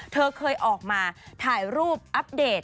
เธอเคยออกมาถ่ายรูปอัปเดต